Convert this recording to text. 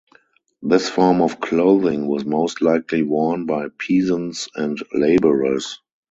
This form of clothing was most likely worn by peasants and labourers.